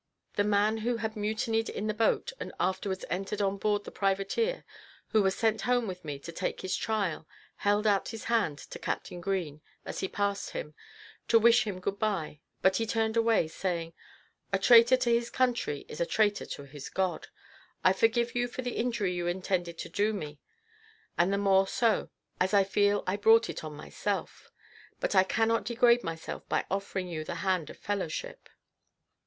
The man who had mutinied in the boat, and afterwards entered on board the privateer, who was sent home with me to take his trial, held out his hand to Captain Green, as he passed him, to wish him good by, but he turned away, saying, "A traitor to his country is a traitor to his God. I forgive you for the injury you intended to do me, and the more so, as I feel I brought it on myself; but I cannot degrade myself by offering you the hand of fellowship."